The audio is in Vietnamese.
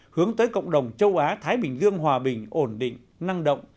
hướng tới cộng đồng châu á thái bình dương hòa bình ổn định năng động